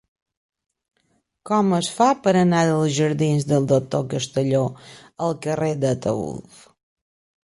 Com es fa per anar dels jardins del Doctor Castelló al carrer d'Ataülf?